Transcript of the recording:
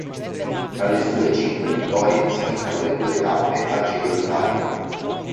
Tra le sue cinque vittorie spiccano le due tappe al Giro d'Italia.